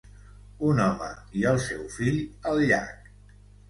Un home i el seu fill al llac